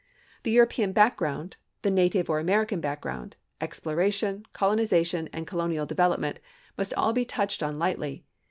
The European background, the native or American background, exploration, colonization and colonial development must all be touched on lightly.